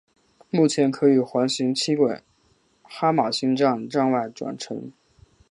目前可与环状轻轨哈玛星站站外转乘。